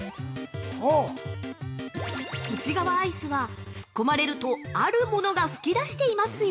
◆内側アイスはツッコまれるとあるものが吹き出していますよ。